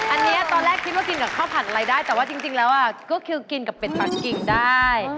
อันนี้ตอนแรกคิดว่ากินกับข้าวผัดอะไรได้แต่ว่าจริงแล้วก็คือกินกับเป็ดปากกิ่งได้